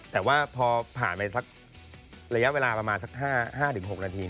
แต่ว่าพอผ่านไปสักระยะเวลาประมาณสัก๕๖นาที